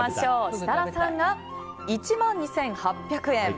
設楽さんが１万２８００円。